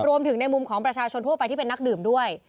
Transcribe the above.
รวมถึงในมุมของประชาชนทั่วไปที่เป็นนักดื่มด้วย